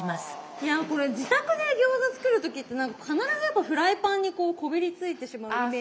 いやこれ自宅で餃子作る時って何か必ずやっぱフライパンにこうこびりついてしまうイメージが。